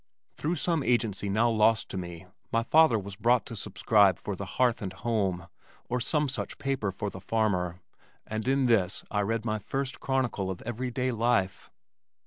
Through some agency now lost to me my father was brought to subscribe for The Hearth and Home or some such paper for the farmer, and in this I read my first chronicle of everyday life.